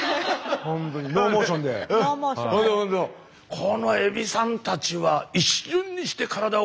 このエビさんたちは一瞬にして体を。